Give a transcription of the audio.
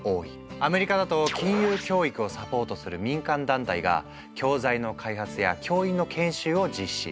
アメリカだと金融教育をサポートする民間団体が教材の開発や教員の研修を実施。